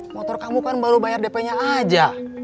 motor kamu kan baru bayar dp nya aja